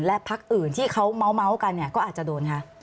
และพักอื่นที่เขาเมาส์กันเนี่ยก็อาจจะโดนคะ